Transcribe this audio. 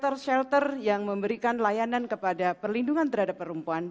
selain itu shelter shelter yang memberikan layanan kepada perlindungan terhadap perempuan